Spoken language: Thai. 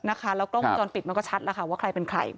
แล้วกล้องวงจรปิดมันก็ชัดแล้วค่ะว่าใครเป็นใคร